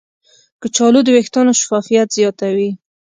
کچالو د ویښتانو شفافیت زیاتوي.